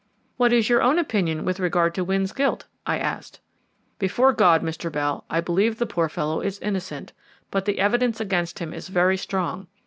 "What is your own opinion with regard to Wynne's guilt?" I asked. "Before God, Mr. Bell, I believe the poor fellow is innocent, but the evidence against him is very strong.